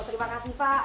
terima kasih pak